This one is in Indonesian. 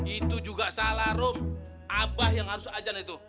itu juga salah room abah yang harus ajan itu